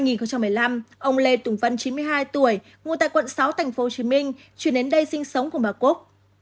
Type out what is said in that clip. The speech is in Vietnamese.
năm hai nghìn một mươi năm ông lê tùng vân chín mươi hai tuổi ngụ tại quận sáu tp hcm chuyển đến đây sinh sống của bà cúc